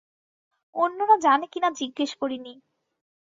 অন্যরা জানে কি না জিজ্ঞেস করি নি।